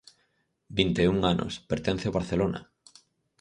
Vinte e un anos, pertence ao Barcelona.